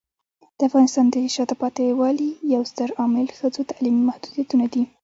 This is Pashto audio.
د افغانستان د شاته پاتې والي یو ستر عامل ښځو تعلیمي محدودیتونه دي.